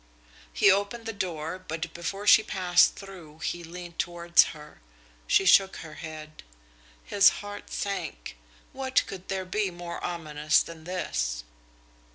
He opened the door but before she passed through he leaned towards her. She shook her head. His heart sank. What could there be more ominous than this!